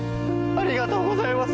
ありがとうございます。